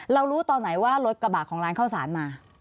รู้ตอนไหนว่ารถกระบะของร้านข้าวสารมา